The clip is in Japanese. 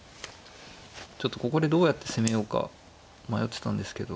ちょっとここでどうやって攻めようか迷ってたんですけど。